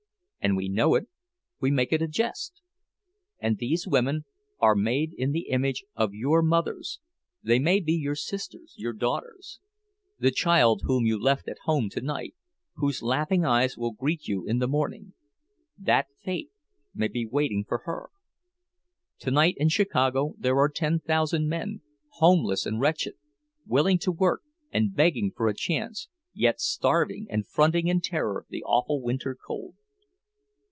And we know it, we make it a jest! And these women are made in the image of your mothers, they may be your sisters, your daughters; the child whom you left at home tonight, whose laughing eyes will greet you in the morning—that fate may be waiting for her! To night in Chicago there are ten thousand men, homeless and wretched, willing to work and begging for a chance, yet starving, and fronting in terror the awful winter cold!